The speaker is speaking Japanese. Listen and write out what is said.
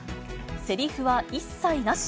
せりふは一切なし。